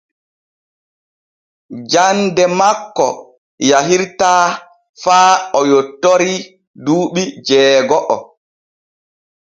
Jande makko yahirtaa faa o yottori duuɓi jeego’o.